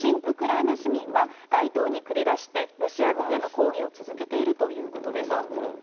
ウクライナ市民は、街頭に繰り出して、ロシア軍への抗議を続けているということです。